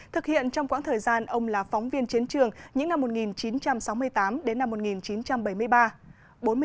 thực hiện trong quãng thời gian ông là phóng viên chiến trường những năm một nghìn chín trăm sáu mươi tám đến năm một nghìn chín trăm bảy mươi ba